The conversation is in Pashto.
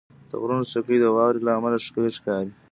• د غرونو څوکې د واورې له امله ښکلي ښکاري.